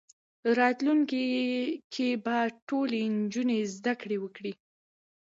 راتلونکي کې به ټولې نجونې زدهکړې وکړي.